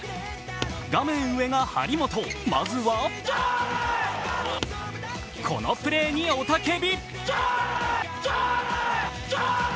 画面上が張本、まずはこのプレーに雄たけび。